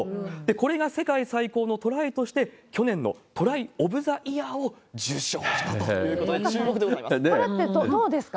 これが世界最高のトライとして、去年のトライオブザイヤーを受賞したということで、注目これってどうですか？